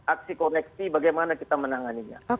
aksi koneksi bagaimana kita menanganinya